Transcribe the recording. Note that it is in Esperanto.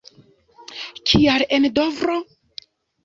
Kial en Dovro?